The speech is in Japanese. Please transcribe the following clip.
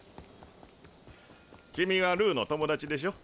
君はルーの友達でしょ？